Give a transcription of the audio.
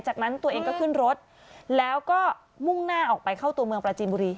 จากนั้นตัวเองก็ขึ้นรถแล้วก็มุ่งหน้าออกไปเข้าตัวเมืองปราจีนบุรี